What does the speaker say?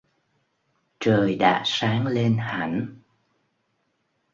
Trời đã sáng lên hẳn